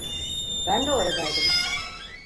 Ben de oradaydım.